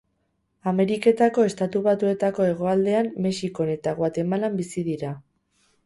Ameriketako Estatu Batuetako hegoaldean, Mexikon eta Guatemalan bizi dira.